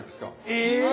え！